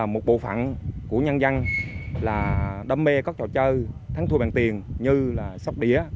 một bộ phận của nhân dân là đam mê các trò chơi thắng thua bằng tiền như là sóc đĩa